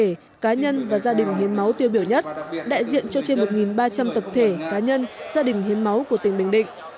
bệnh nhân đã tuân vinh và trao bằng khen máu tiêu biểu nhất đại diện cho trên một ba trăm linh tập thể cá nhân gia đình hiến máu của tỉnh bình định